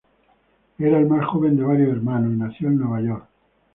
Era el más joven de varios hermanos, y nació en Nueva York.